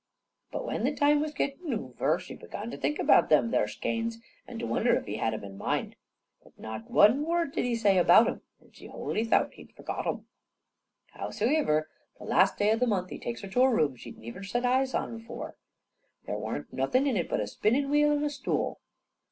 But when the time was gettin' oover, she began to think about them there skeins an' to wonder if he had 'em in mind. But not one word did he say about 'em, an' she whoolly thowt he'd forgot 'em. Howsivir, the last day o' the last month, he takes her to a room she'd niver set eyes on afore. There worn't nothin' in it but a spinnin' wheel and a stool.